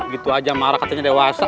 gitu aja marah katanya dewasa